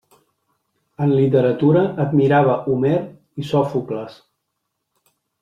En literatura admirava Homer i Sòfocles.